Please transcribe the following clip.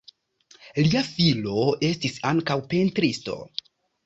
Lia filo estis ankaŭ pentristo.